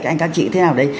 các anh các chị thế nào đấy